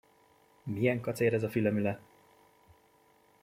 Milyen kacér ez a fülemüle!